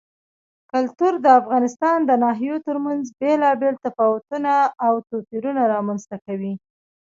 کلتور د افغانستان د ناحیو ترمنځ بېلابېل تفاوتونه او توپیرونه رامنځ ته کوي.